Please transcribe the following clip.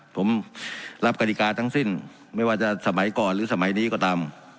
ผมรับกฎิกาทั้งสิ้นไม่ว่าจะสมัยก่อนหรือสมัยนี้ก็ตาม